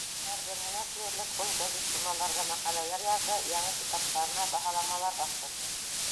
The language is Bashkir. Һәр береһенә, тиерлек, ул гәзит-журналдарҙа мәҡәләләр яҙҙы, яңы китаптарына баһаламалар баҫтырҙы.